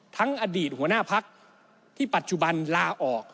ทั้งอดีตหัวหน้าภักดิ์ที่ปัจจุบันลาออก